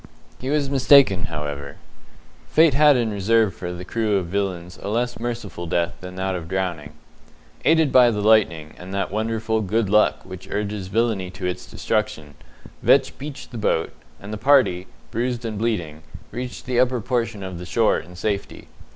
He was mistaken, however. Fate had in reserve for the crew of villains a less merciful death than that of drowning. Aided by the lightning, and that wonderful "good luck" which urges villainy to its destruction, Vetch beached the boat, and the party, bruised and bleeding, reached the upper portion of the shore in safety.